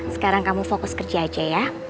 sekarang kamu fokus kerja aja ya